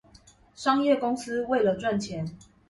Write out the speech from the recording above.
商業公司為了賺錢